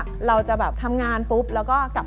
ว่าเราจะแบบทำงานปุ๊บ